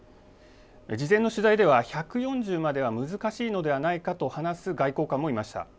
事前の取材では１４０までは難しいのではないかと話す外交官もいました。